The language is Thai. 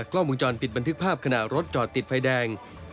กล้องวงจรปิดบันทึกภาพขณะรถจอดติดไฟแดง